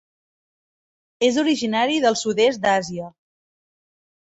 És originari del Sud-est d'Àsia.